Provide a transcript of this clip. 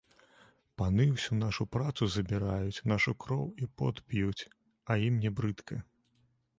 Паны ўсю нашу працу забіраюць, нашу кроў і пот п'юць, а ім не брыдка.